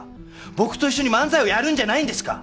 僕と一緒に漫才をやるんじゃないんですか！？